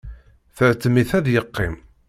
Tḥettem-it ad yeqqim.